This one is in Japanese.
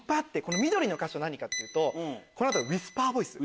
緑の箇所何かっていうとウィスパーボイス。